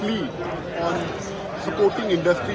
terutama untuk mendukung industri empat